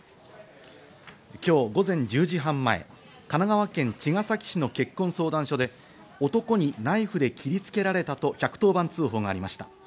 今日午前１０時半前、神奈川県茅ケ崎市の結婚相談所で男にナイフで切りつけられたと１１０番通報がありました。